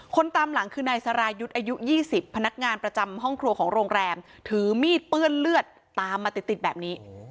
ตามหลังคือนายสรายุทธ์อายุ๒๐พนักงานประจำห้องครัวของโรงแรมถือมีดเปื้อนเลือดตามมาติดแบบนี้